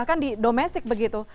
bahkan di domestik begitu